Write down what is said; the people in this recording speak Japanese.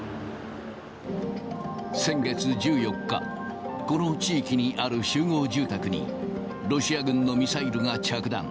先月１４日、この地域にある集合住宅に、ロシア軍のミサイルが着弾。